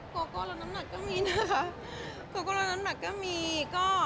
โกโก้แล้วน้ำหนักก็มีนะคะโกโกโลน้ำหนักก็มีก็